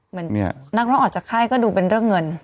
นักร้องออกจากค่ายก็ดูเป็นเรื่องเงิน